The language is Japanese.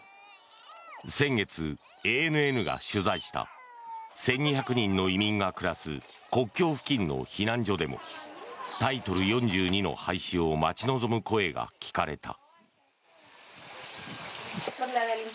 先月、ＡＮＮが取材した１２００人の移民が暮らす国境付近の避難所でもタイトル４２の廃止を待ち望む声が聞かれた。